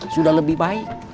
sudah lebih baik